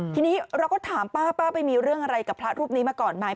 ทีนี้เราก็ถามป้าป้าไปมีเรื่องอะไรกับพระรูปนี้มาก่อนไหม